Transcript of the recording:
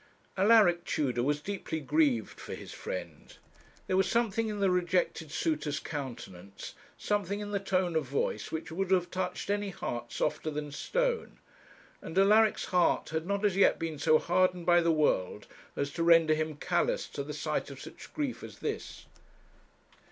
Alaric Tudor was deeply grieved for his friend. There was something in the rejected suitor's countenance something in the tone of voice, which would have touched any heart softer than stone; and Alaric's heart had not as yet been so hardened by the world as to render him callous to the sight of such grief as this.